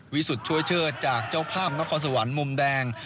สุทธิ์เชิดจากเจ้าภาพนครสวรรค์มุมแดง